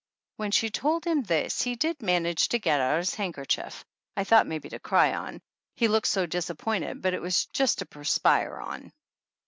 When she told him this he did manage to get out his handkerchief, I thought maybe to cry on, he looked so disappointed, but it was just to perspire on.